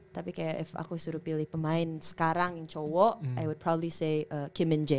tapi kayak if aku suruh pilih pemain sekarang yang cowok i would probably say kim min jae